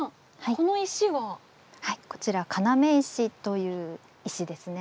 こちら要石という石ですね。